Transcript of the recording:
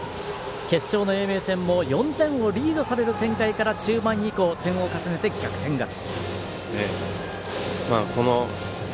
決勝戦も４点をリードされる展開から中盤以降、点を重ねて逆転勝ち。